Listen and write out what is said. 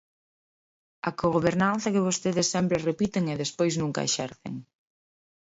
A cogobernanza que vostedes sempre repiten e despois nunca exercen.